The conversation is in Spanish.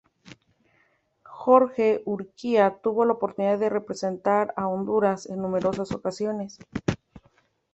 Jorge Urquía tuvo la oportunidad de representar a Honduras en numerosas ocasiones.